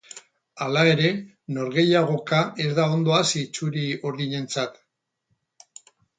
Hala ere, norgehiagoka ez da ondo hasi txuri-urdinentzat.